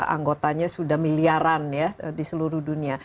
anggotanya sudah miliaran ya di seluruh dunia